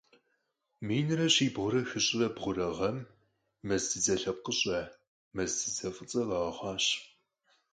Минрэ щибгъурэ хыщӀрэ бгъурэ гъэм мэз дзыдзэ лъэпкъыщӀэ - мэз дзыдзэ фӀыцӀэ - къагъэхъуащ.